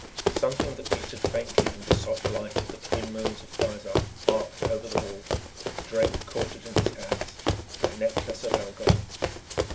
Something that glittered faintly in the soft light of the twin moons of Thizar arced over the wall. Drake caught it in his hands. The Necklace of Algol!